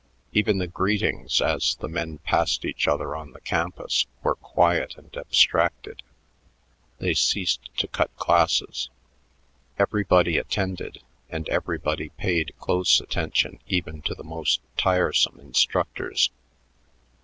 Even the greetings as the men passed each other on the campus were quiet and abstracted. They ceased to cut classes. Everybody attended, and everybody paid close attention even to the most tiresome instructors.